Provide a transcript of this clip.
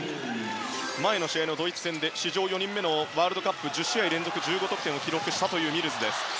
前の試合のドイツ戦で史上４人目のワールドカップ１０試合連続１５得点を記録したミルズ。